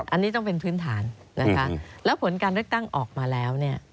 อันนี้ต้องเป็นพื้นฐานนะคะแล้วผลการเลือกตั้งออกมาแล้วเนี่ย